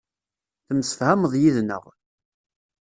Temsefhameḍ yid-neɣ.